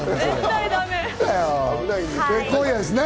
今夜ですね。